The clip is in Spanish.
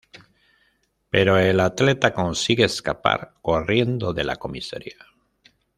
Pero el atleta consigue escapar corriendo de la comisaría.